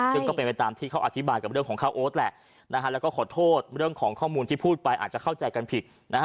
ซึ่งก็เป็นไปตามที่เขาอธิบายกับเรื่องของข้าวโอ๊ตแหละแล้วก็ขอโทษเรื่องของข้อมูลที่พูดไปอาจจะเข้าใจกันผิดนะฮะ